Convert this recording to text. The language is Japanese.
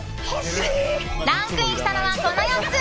ランクインしたのは、この４つ。